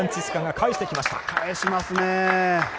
返しますね。